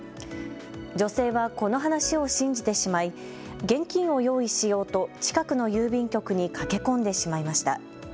女性はこの話を信じてしまい現金を用意しようと近くの郵便局に駆け込んでしまいました。